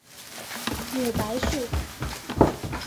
母白氏。